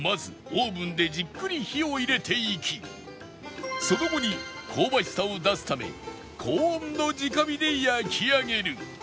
まずオーブンでじっくり火を入れていきその後に香ばしさを出すため高温の直火で焼き上げる